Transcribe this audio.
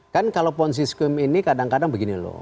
jadi kalau ponzi skrim ini kadang kadang begini loh